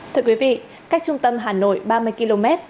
thưa quý vị cách trung tâm hà nội ba mươi km